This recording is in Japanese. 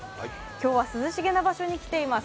今日は涼しげな場所に来ています